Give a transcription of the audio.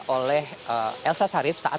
oleh elsa sharif saat